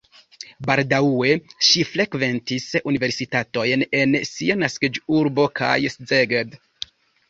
Baldaŭe ŝi frekventis universitatojn en sia naskiĝurbo kaj Szeged.